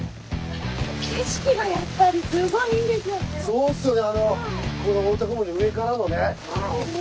そうですよね。